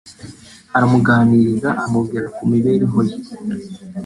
aramuganiriza amubwira ku mibereho ye